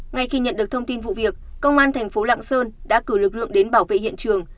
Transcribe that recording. ngay khi nhận được thông tin vụ việc công an thành phố lạng sơn đã cử lực lượng đến bảo vệ hiện trường